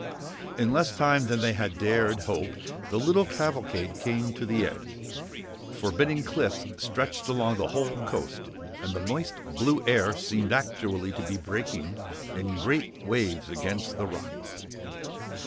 In less time than they had dared hope, the little cavalcade came to the edge. Forbidding cliffs stretched along the whole coast and the moist, blue air seemed actually to be breaking in great waves against the rocks.